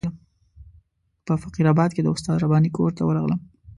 په فقیر آباد کې د استاد رباني کور ته ورغلم.